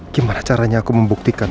gimana caranya aku membuktikan